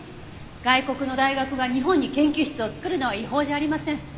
外国の大学が日本に研究室を作るのは違法じゃありません。